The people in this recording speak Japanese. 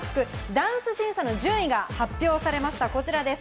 ダンス審査の順位が発表されました、こちらです。